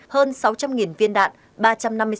hơn sáu trăm linh viên đạn